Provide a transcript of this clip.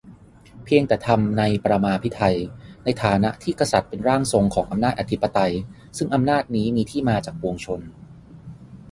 เพียงแต่ทำ "ในปรมาภิไธย" ในฐานะที่กษัตริย์เป็นร่างทรงของอำนาจอธิปไตย-ซึ่งอำนาจนี้มีที่มาจากปวงชน